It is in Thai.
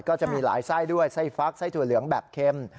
ก็จะมีหลายไส้ด้วยไส้ฟักไส้ถั่วเหลืองแบบเค็ม